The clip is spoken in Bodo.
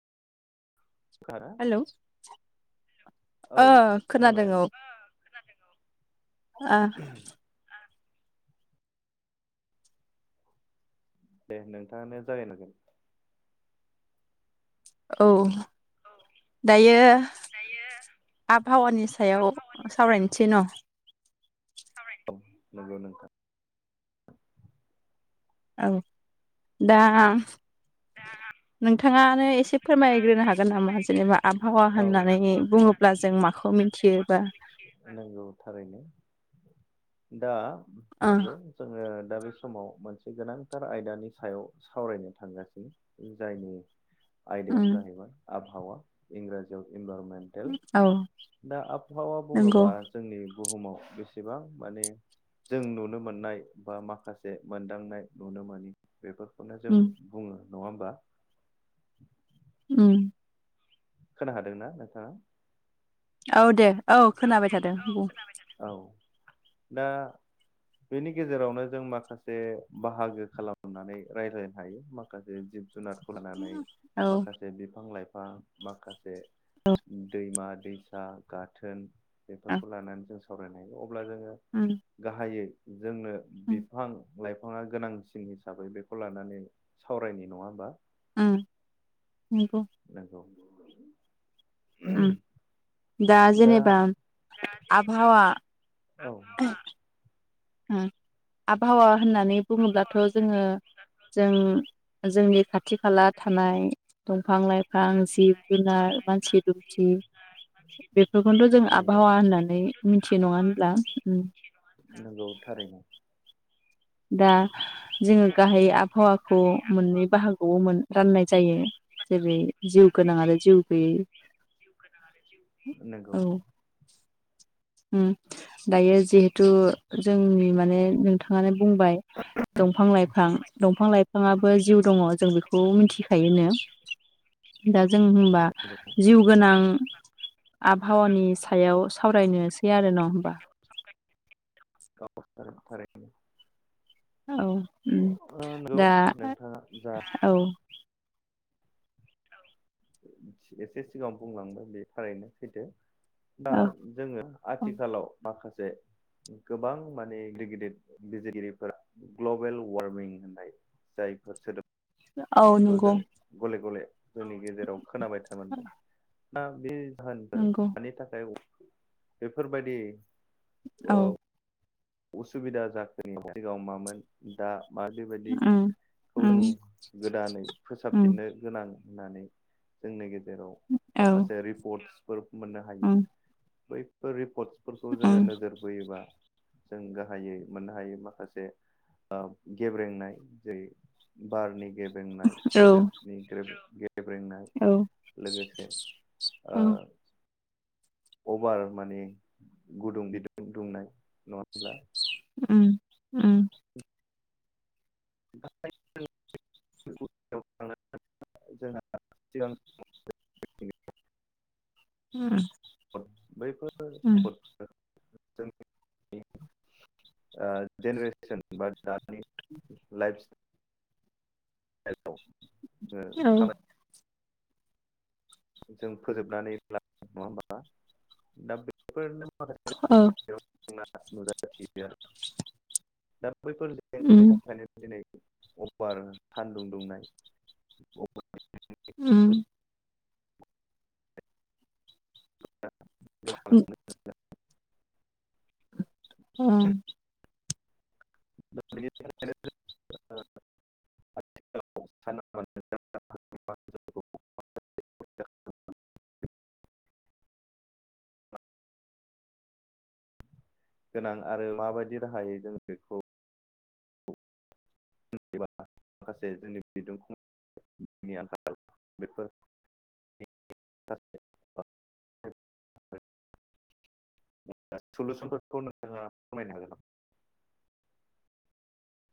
खोनादोंना हेलौ औ ओ खोनाबाय खोनादों औ आङो ओ दे नोंथाङानो जागायनांगोन औ दायो आबहावानि सायाव सावरायनोसै न नोंगौ नोंथां औ दा नोंथाङानो एसे फोरमायग्रोनो हागोन नामा जेनेबा आबहावा होननानै बुंङोब्ला जों माखौ मिथियोबा मिथियो? नंगौ थारैनो दा ओ नंगौ जोंङो दा बे समाव मोनसे गोनांथार आयदानि सायाव सावरायनो थांगासिनो। जायनि उम आयदायानो जाहैबाय आबहावा। इंराजियाव इनभारनमेन्टेल। औ दा आबहावा नंगौ बुङोबा जोंनि बुहुमाव बेसेबां माने जों नुनो मोननाय बा माखासे मोनदांनाय नुनो मोनी बेफोर खौनो जों उम बुङो नङा होमबा। उम। खोना हादोंना नोंथाङा? औ दे औ खोनाबाय थादों बुं। औ दा बेनि गेजेरावनो जों माखासे बाहागो खालामनानै रायज्लायनो हायो। माखासे जिब जुनादखौ लानानै, औ माखासे बिफां लाइफां, माखासे दैमा दैसा गाथोन औ बेफोरखौ लानानै जों सावरायनो हायो। अब्ला जोङो उम गाहायै जोंनो उम बिफां लाइफाङा गोनांसिन हिसाबै बेखौ लानानै सावरायनि नङा होमबा। उम, नंगौ। नंगौ उम, दा जेनेबा आबहावा औ। उम। आबहावा होननानै बुङोब्लाथ' जोङो जों जोंनि खाथि खाला थानाय दंफां लाइफां जिब जुनार मानसि दुमसि बेफोरखौनोथ' जों नंगौ आबहावा होननानै मिथियो नङा होनब्ला। उम। नंगौ थारैनो। दा जोङो गाहायै आबहावाखौ मोननै बाहागोआवमोन राननाय जायो। जेरै जिउ गोनाङा आरो जिउ गैयै। नोंगौ। औ उम, दायो जिहेथु जोंनि माने नोंथाङानो बुंबाय, दंफां लाइफां दफां लाइफां बिफाङाबो जिउ दङ जों बेखौ मिथिखायोनो। दा जों होनबा जिउ गोनां आबहावानि सायाव सावरायनोसै आरो न होमबा। [unintelligible] [inaudible] औ उम नंगौ दा नोंथाङा जा औ। एसे सिगाङाव बुंलांबाय बे थारैनो सैथो। दा औ जोङो आथिखालाव माखासे गोबां माने गिदिर गिदिर बिजिरगिरिफोरा ग्लबेल वार्मिं होननाय जायफोर सोदोब औ नंगौ जों गले गले जोंनि गेजेराव खोनाबाय [unintelligible] दा बे होनफोर नंगौ मानि थाखाय बेफोरबायदि औ। उसुबिदा [unintelligible] सिगाङाव मामोन दा माबैबायदि उम खौ उम गोदानै उम फोसाबफिननो गोनां होननानै जोंनि गेजेराव औ माखासे रिपर्टसफोर मोननो हायो। उम बैफोर रिपर्टसफोरखौ उम जोङो नोजोर बोयोबा जों गाहायै मोननो हायै माखासे ओ गेब्रेंनाय। जेरै बारनि गेब्रेंनाय औ सोदोबनि गेब्रेंनाय औ लोगोसे ओ उम अभार माने गुदुं बिदुं दुंनाय नङा होमब्ला। उम उम। [unintelligible] [inaudible] जोंहा सिगां [unintelligible] उम। बैफोर उम सम्पद जोंनि ओ जेनेरेसन बा दानि लाइफ स्टाइलाव ओ कामाय जों फोजोबनानै ला नङा होमा दा बेफोरनो माखासे औ [unintelligible] बैफोर जेंनानि उम थाखायनो दिनै अफार सान्दुं दुंनाय उम। [inaudible] ओम। [unintelligible] [unintelligible] गोनां आरो माबायदि राहायै जोङो बेखौ माखासे जोंनि बिदुं [unintelligible] [unintelligible] सलुसनफोरखौ नोंथाङा फोरमायनो हागोन नामा?